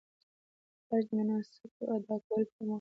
د حج د مناسکو ادا کولو په موخه.